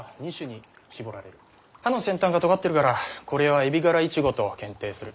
葉の先端がとがってるからこれはエビガライチゴと検定する。